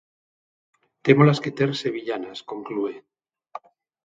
Témolas que ter sevillanas, conclúe.